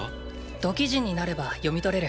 土器人になれば読み取れる。